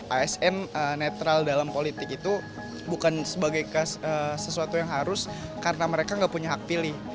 asn netral dalam politik itu bukan sebagai sesuatu yang harus karena mereka nggak punya hak pilih